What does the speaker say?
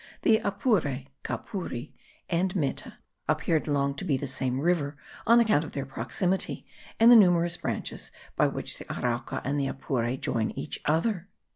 The Apure (Capuri) and Meta appeared long to be the same river on account of their proximity, and the numerous branches by which the Arauca and the Apure join each other.